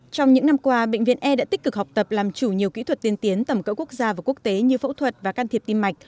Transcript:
trong những năm qua bệnh viện e đã tích cực học tập làm chủ nhiều kỹ thuật tiên tiến tầm cỡ quốc gia và quốc tế như phẫu thuật và can thiệp tim mạch